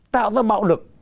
tạo ra bạo lực